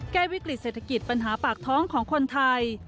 วิกฤตเศรษฐกิจปัญหาปากท้องของคนไทย